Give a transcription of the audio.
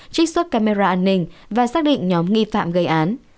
trích xuất camera an ninh và xác định nhóm nghi phạm gây án